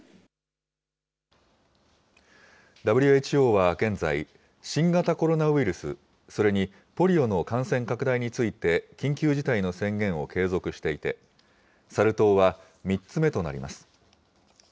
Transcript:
ＷＨＯは現在、新型コロナウイルス、それにポリオの感染拡大について、緊急事態の宣言を継続していて、サル痘は３つ目となります。